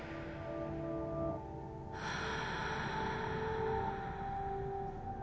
はあ。